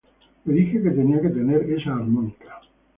Le dije que tenía que tener esa armónica.